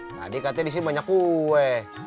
tadi katanya disini banyak kue